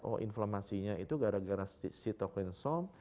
oh inflammasinya itu gara gara sitokinsom